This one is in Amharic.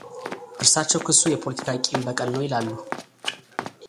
እርሳቸው ክሱ የፖለቲካ ቂም በቀል ነው ይላሉ።